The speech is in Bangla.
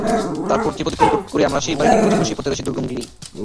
তারপর যে পথ অতিক্রম করে আমরা সেই বাড়িতে পৌঁছব সেপথে রয়েছে দূর্গম গিরি।